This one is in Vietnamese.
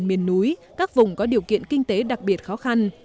miền núi các vùng có điều kiện kinh tế đặc biệt khó khăn